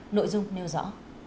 nội dung nêu rõ